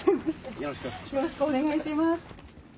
よろしくお願いします。